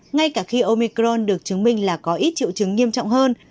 ngay cả khi omicron được chứng minh là có ít triệu chứng nghiêm trọng hơn